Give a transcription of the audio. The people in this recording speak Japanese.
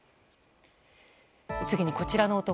次にこちらの男。